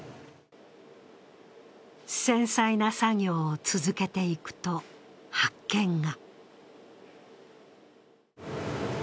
繊細な作業を続けていくと発見が。